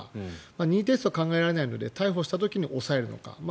任意提出は考えられないので逮捕した時に押さえるのか。